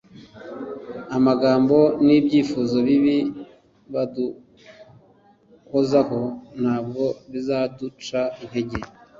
amagambo n’ibyifuzo bibi baduhozaho ntabwo bizaduca intege